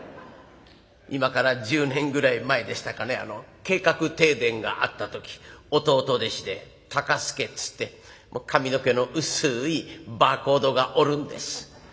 今から１０年ぐらい前でしたかね計画停電があった時弟弟子で多歌介っつって髪の毛の薄いバーコードがおるんです。